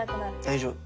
大丈夫。